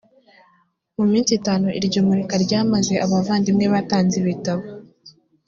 mu minsi itanu iryo murika ryamaze abavandimwe batanze ibitabo